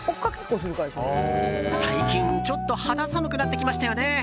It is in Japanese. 最近、ちょっと肌寒くなってきましたよね。